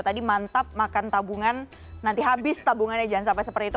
tadi mantap makan tabungan nanti habis tabungannya jangan sampai seperti itu